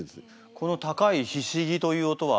この高いヒシギという音は？